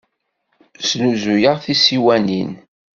Snuzuyeɣ tisiwanin.